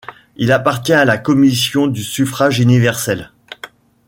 Il appartient à la commission du Suffrage universel.